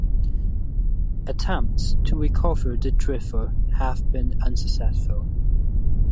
Attempts to recover the drifter have been unsuccessful.